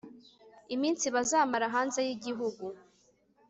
iminsi bazamara hanze yigihugu